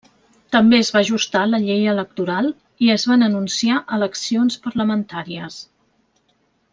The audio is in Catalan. També es va ajustar la llei electoral, i es van anunciar eleccions parlamentàries.